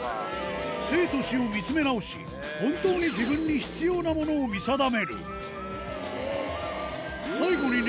生と死を見つめ直し、本当に自分に必要なものを見定める。